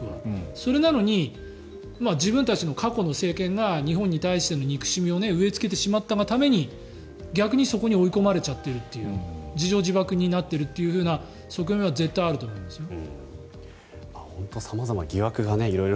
それなのに自分たちの過去の政権が日本に対しての憎しみを植えつけてしまったがために逆にそこに追い込まれちゃってるっていう自縄自縛になっているという側面は本当に様々な疑惑がね。